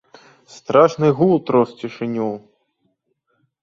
Страшны гул трос цішыню.